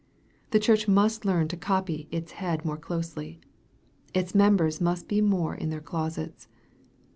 The Church must learn to copy its Head more closely. Its members must be more iq their closets.